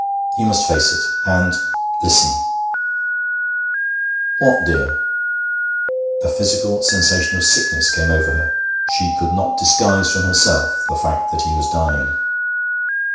'You must face it. And listen.' 'What, dear?' A physical sensation of sickness came over her. She could not disguise from herself the fact that he was dying.